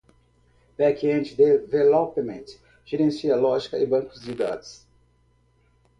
Back-end Development gerencia lógica e banco de dados.